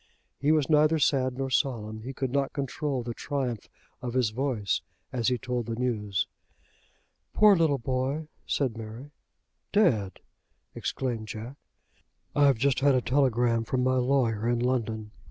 He was neither sad nor solemn. He could not control the triumph of his voice as he told the news. "Poor little boy!" said Mary. "Dead!" exclaimed Jack. "I've just had a telegram from my lawyer in London.